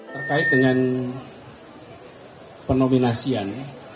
terkait dengan penominasian